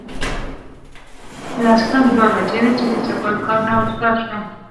لس کم دوه بجې وې چې د سکول کار نه اوزګار شو